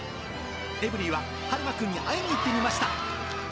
エブリィははるま君に会いに行ってみました。